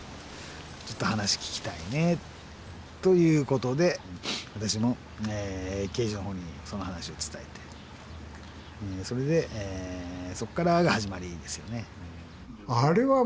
ちょっと話聞きたいねということで私も刑事のほうにその話を伝えてそれでそっからが始まりですよね。